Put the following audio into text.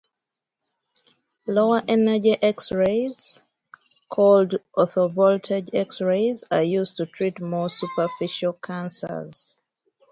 Lower energy x-rays, called orthovoltage X-rays, are used to treat more superficial cancers.